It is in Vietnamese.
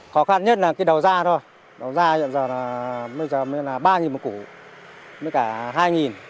khó khăn nhất là cái đầu ra thôi đầu ra bây giờ mới là ba một củ mới cả hai